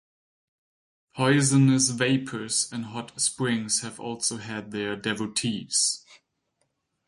Poisonous vapors and hot springs have also had their devotees.